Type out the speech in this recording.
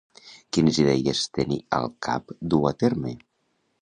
Quines idees tenir al cap dur a terme?